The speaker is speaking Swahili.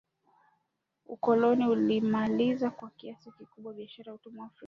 Ukoloni ulimaliza kwa kiasi kikubwa biashara ya Utumwa Afrika